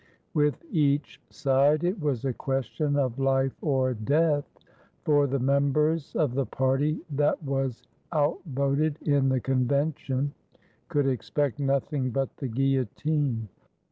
With each side it was a ques tion of Ufe or death, for the members of the party that was outvoted in the Convention could expect nothing but the guillotine.